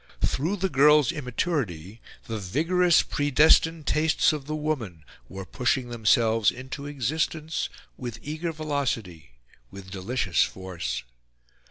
Through the girl's immaturity the vigorous predestined tastes of the woman were pushing themselves into existence with eager velocity, with delicious force.